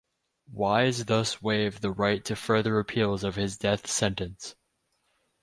Wise thus waived the right to further appeals of his death sentence.